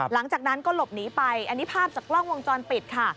หลังจากนั้นก็หลบหนีไปอันนี้ภาพจากกล้องวงจรปิดค่ะ